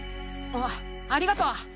あありがとう。